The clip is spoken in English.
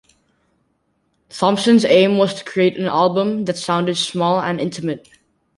Thompson's aim was to create an album that sounded small and intimate.